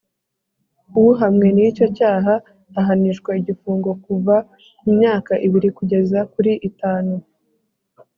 Uhamwe n’icyo cyaha ahanishwa igifungo kuva ku myaka ibiri kugeza kuri itanu